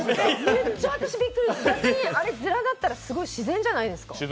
めっちゃ私、びっくりして、あれヅラだったらすごい自然じゃないですか。